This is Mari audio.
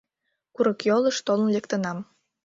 Курыкйолыш толын лектынам.